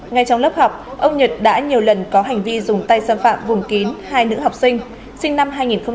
ngay trong lớp học ông nhật đã nhiều lần có hành vi dùng tay xâm phạm vùng kín hai nữ học sinh sinh năm hai nghìn một mươi